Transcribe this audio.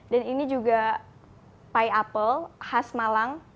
dan ini juga pie apple khas malang